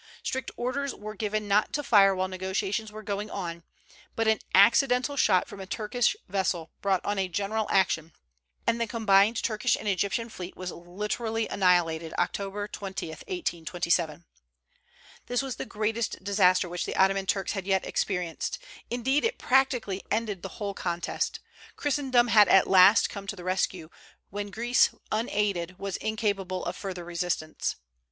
Strict orders were given not to fire while negotiations were going on; but an accidental shot from a Turkish vessel brought on a general action, and the combined Turkish and Egyptian fleet was literally annihilated Oct. 20, 1827. This was the greatest disaster which the Ottoman Turks had yet experienced; indeed, it practically ended the whole contest. Christendom at last had come to the rescue, when Greece unaided was incapable of further resistance.